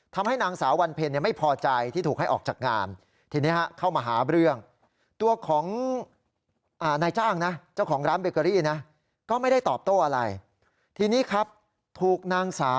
ทำให้นางสาววันเพลนไม่พอใจที่ถูกให้ออกจากงาน